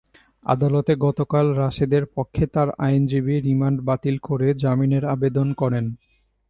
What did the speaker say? আদালতে গতকাল রাশেদের পক্ষে তাঁর আইনজীবী রিমান্ড বাতিল করে জামিনের আবেদন করেন।